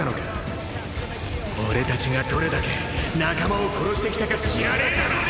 俺たちがどれだけ仲間を殺してきたか知らねぇだろうに！！